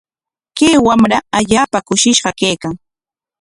Kay wamra allaapa kushishqa kaykan.